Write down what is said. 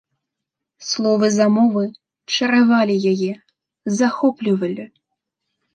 Словы замовы чаравалі яе, захоплівалі.